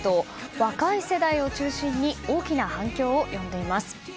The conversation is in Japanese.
若い世代を中心に大きな反響を呼んでいます。